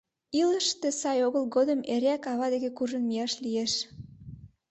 Илышыште сай огыл годым эреак ава деке куржын мияш лиеш.